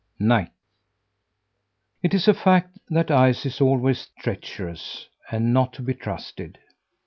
NIGHT It is a fact that ice is always treacherous and not to be trusted.